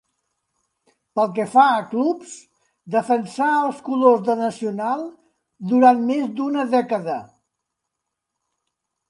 Pel que fa a clubs, defensà els colors de Nacional durant més d'una dècada.